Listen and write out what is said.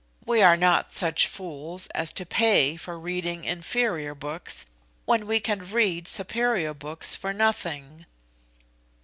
We are not such fools as to pay for reading inferior books, when we can read superior books for nothing."